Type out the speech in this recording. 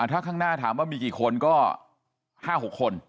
ถ้าข้างหน้าถามว่ามีกี่คนก็๕๖คน